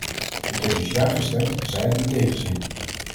Ik heb dus ja gestemd, zij het met tegenzin.